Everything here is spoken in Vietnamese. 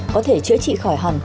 có thể chữa trị khỏi hẳn